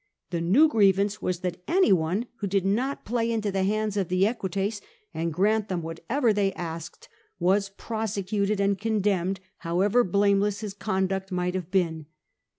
The new grievance was that any one who did not play into the hands of the Equites, and grant them whatever they asked, was prosecuted and condemned, however blameless his conduct might have been.